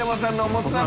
もつ鍋。